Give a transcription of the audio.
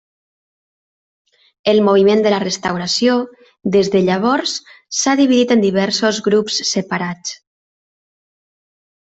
El Moviment de la Restauració des de llavors s'ha dividit en diversos grups separats.